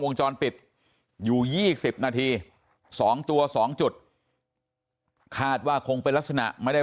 วงจรปิดอยู่๒๐นาที๒ตัว๒จุดคาดว่าคงเป็นลักษณะไม่ได้